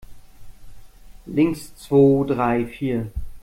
Links, zwo, drei, vier!